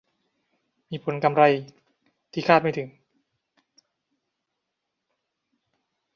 มีผลกำไรที่คาดไม่ถึง